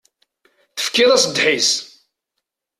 Tefkiḍ-as ddḥis.